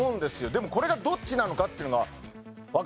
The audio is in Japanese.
でもこれがどっちなのかっていうのがわかってないです。